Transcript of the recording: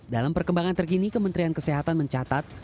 dalam perkembangan terkini kementerian kesehatan mencatat